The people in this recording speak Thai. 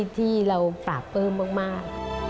ที่เราปราบปลื้มมาก